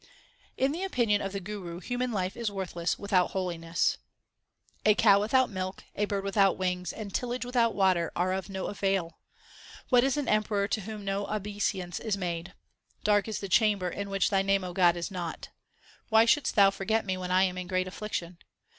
In the opinion of the Guru human life is worthless without holiness : A cow without milk, a bird without wings, and tillage without water are of no avail. What is an emperor to whom no obeisance is made ? Dark is the chamber in which Thy name, O God, is not. Why shouldest Thou forget me when I am in great affliction